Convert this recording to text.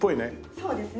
そうですね。